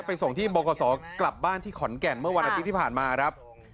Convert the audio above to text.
ส่งที่บขกลับบ้านที่ขอนแก่นเมื่อวันอาทิตย์ที่ผ่านมาครับ